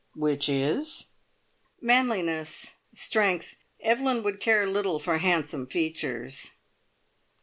"Which is?" "Manliness strength. Evelyn would care little for handsome features."